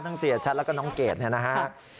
เสียชัดแล้วก็น้องเกดเนี่ยนะฮะ